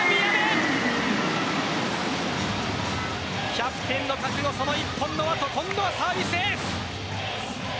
キャプテンの１本の後今度はサービスエース。